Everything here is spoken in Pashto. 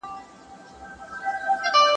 ¬ د پاچا صاحب باز دئ، پر ډېران چرگوړي نيسي.